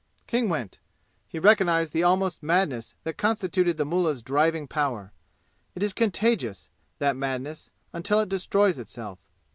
King went. He recognized the almost madness that constituted the mullah's driving power. It is contagious, that madness, until it destroys itself.